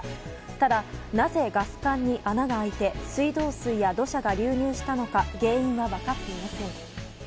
ただ、なぜガス管に穴が開いて水道水や土砂が流入したのか原因は分かっていません。